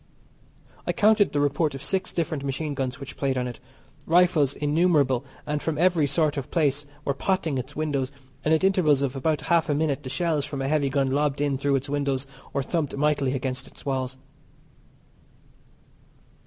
I counted the report of six different machine guns which played on it. Rifles innumerable and from every sort of place were potting its windows, and at intervals of about half a minute the shells from a heavy gun lobbed in through its windows or thumped mightily against its walls.